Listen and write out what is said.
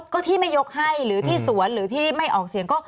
ก็ที่ไม่ยกให้หรือที่สวนหรือที่ไม่ออกเสียงก็